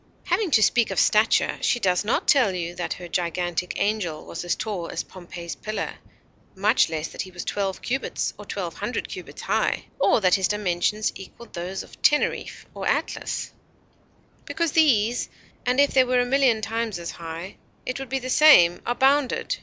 Having to speak of stature, she does not tell you that her gigantic angel was as tall as Pompey's Pillar; much less that he was twelve cubits or twelve hundred cubits high; or that his dimensions equalled those of Teneriffe or Atlas; because these, and if they were a million times as high, it would be the same, are bounded.